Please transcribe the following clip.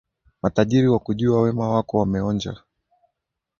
Matajiri wakujua, wema wako wameonja,